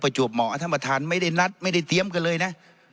ประจวบหมออธรรมฐานไม่ได้นัดไม่ได้เตรียมกันเลยน่ะ